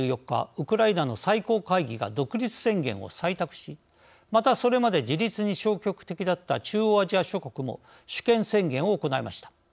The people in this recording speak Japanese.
ウクライナの最高会議が独立宣言を採択しまたそれまで自立に消極的だった中央アジア諸国も主権宣言を行いました。